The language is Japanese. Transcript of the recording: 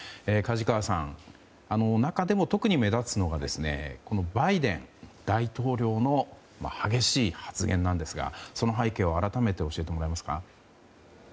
梶川さん、中でも特に目立つのがバイデン大統領の激しい発言なんですがその背景を改めて教えてもらえますか。